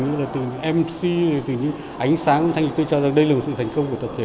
như là từ những mc từ những ánh sáng thì tôi cho rằng đây là một sự thành công của tập thể